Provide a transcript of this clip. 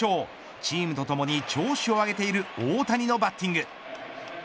チームとともに調子を上げている大谷のバッティング。